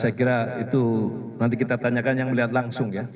saya kira itu nanti kita tanyakan yang melihat langsung ya